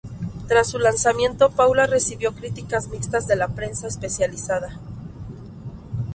Tras su lanzamiento, "Paula" recibió críticas mixtas de la prensa especializada.